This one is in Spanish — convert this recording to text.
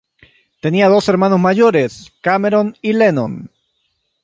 Tenía dos hermanos mayores: Cameron y Lennon.